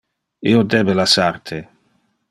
Io debe lassar te.